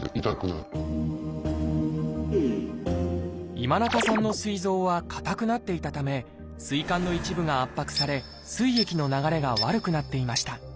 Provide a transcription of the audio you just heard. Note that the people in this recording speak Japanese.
今中さんのすい臓は硬くなっていたためすい管の一部が圧迫されすい液の流れが悪くなっていました。